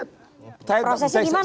prosesnya gimana untuk mencapai ke situ